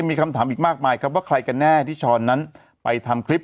มีคำถามอีกมากมายครับว่าใครกันแน่ที่ช้อนนั้นไปทำคลิป